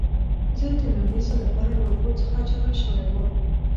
زه د لومړي ځل لپاره له اوبو څخه جلا شوی وم.